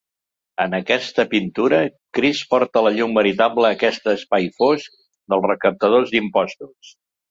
En aquesta pintura, Crist porta la llum veritable a aquest espai fosc dels recaptadors d'impostos.